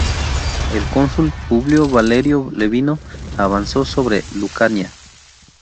El cónsul Publio Valerio Levino avanzó sobre Lucania.